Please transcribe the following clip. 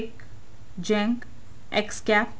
Jenk. ex cap.